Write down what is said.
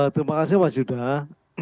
terima kasih pak judah